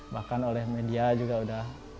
bahkan oleh media juga sudah